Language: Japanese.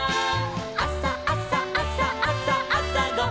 「あさあさあさあさあさごはん」